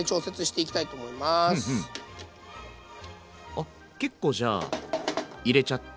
あ結構じゃあ入れちゃって。